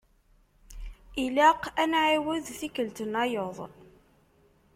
Ilaq ad nɛiwed tikelt-nnayeḍ.